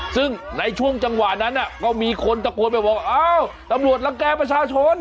ซึ่งในช่วงจังหวะนั้นก็มีคนตะโกนไปบอกอ้าวตำรวจรังแก่ประชาชน